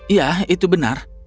ya itu benar